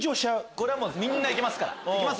これはみんないけますから。